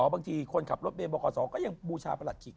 บางทีคนขับรถได้บราให้ของก็คือประลัดขิก